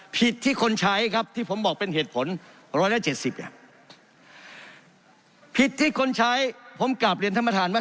ผิดที่คนใช้ผมกราบเรียนธรรมธานว่า